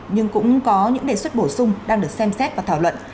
nhưng cũng có những đề xuất bổ sung đang được xem xét và thảo luận